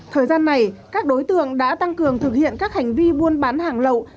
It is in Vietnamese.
thời gian này các đối tượng đã tăng cường thực hiện các hành vi buôn bán hàng lậu